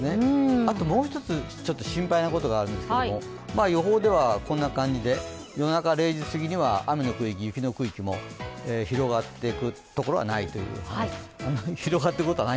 あともう一つ心配なことがあるんですけれども、予報ではこんな感じで夜中０時過ぎには雨の区域、雪の区域、広がってることはないです。